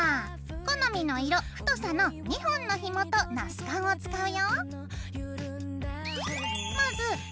好みの色太さの２本のひもとナスカンを使うよ。